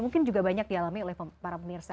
mungkin juga banyak dialami oleh para pemirsa